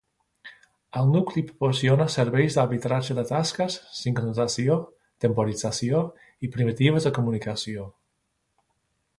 El nucli proporciona serveis d'arbitratge de tasques, sincronització, temporització i primitives de comunicació.